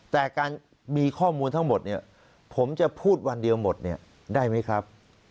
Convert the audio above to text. แต่การมีข้อมูลทั้งหมดเนี่ยผมจะพูดวันเดียวหมดเนี่ยได้ไหมครับ